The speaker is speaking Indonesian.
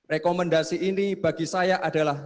rekomendasi ini bagi saya adalah